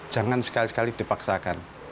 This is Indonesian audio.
jangan sekali sekali dipaksakan